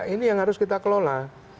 ini yang harus kita kelola